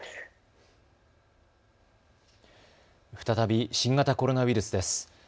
再び新型コロナウイルスです。